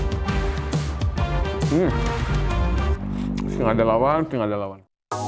hmm sih enggak ada lawan sih enggak ada lawan